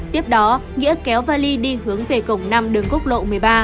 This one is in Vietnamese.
tiếp đó nghĩa kéo vali đi hướng về cổng năm đường quốc lộ một mươi ba